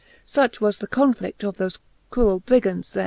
Such was the conflid of thofe cruell Brigants there.